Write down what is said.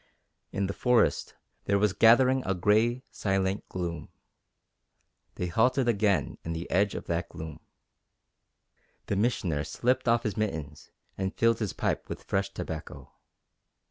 In the forest there was gathering a gray, silent gloom. They halted again in the edge of that gloom. The Missioner slipped off his mittens and filled his pipe with fresh tobacco.